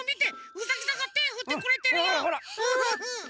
ウサギさんがてふってくれてるよ！